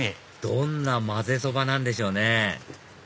どんなまぜそばなんでしょうね